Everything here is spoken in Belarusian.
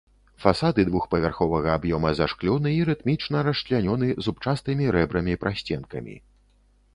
Фасады двухпавярховага аб'ёма зашклёны і рытмічна расчлянёны зубчастымі рэбрамі-прасценкамі.